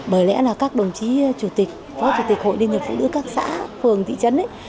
bởi lẽ là các đồng chí chủ tịch phó chủ tịch hội liên hiệp phụ nữ các xã phường thị trấn ấy